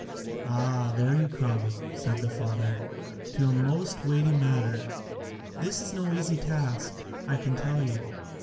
"Ah, there you come," said the father, "to a most weighty matter. This is no easy task, I can tell you.